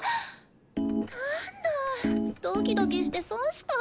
なんだぁドキドキして損した。